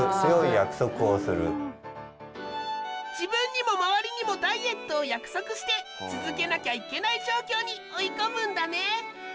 自分にも周りにもダイエットを約束して続けなきゃいけない状況に追い込むんだね。